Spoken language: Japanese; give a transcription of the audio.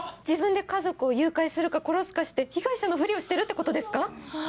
自分で家族を誘拐するか殺すかして被害者のふりをしてるってことですか？